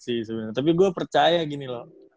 sih sebenarnya tapi gue percaya gini loh